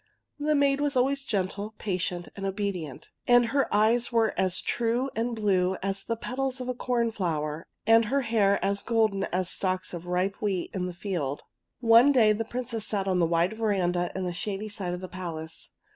The maid was always gentle, patient, and obedient, and her eyes were as true and blue as the petals of the corn flower, and her hair as golden as the stalks of the ripe wheat in the field. CORN FLOWER AND POPPY 161 One day the Princess sat on the wide veranda on the shady side of the palace.